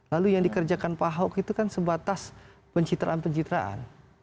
lalu yang dikerjakan pak ahok itu kan sebatas pencitraan pencitraan